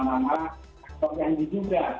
nama nama atau yang di juga